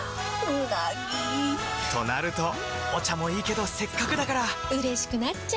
うなぎ！となるとお茶もいいけどせっかくだからうれしくなっちゃいますか！